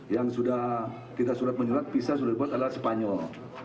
yang sudah kita surat menyurat visa sudah dibuat adalah spanyol